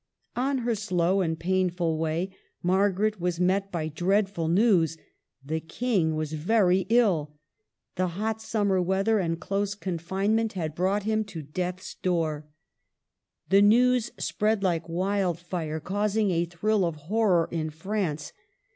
On her slow and painful way Margaret was met by dreadful news, — the King was very ill. The hot summer weather and close confinement THE CAPTIVITY. 93 had brought him to death's door. The news spread hke wildfire, causing a thrill of horror in France.